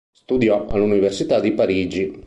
Studiò all'Università di Parigi.